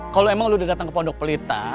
kalo emang lu udah dateng ke pondok pelita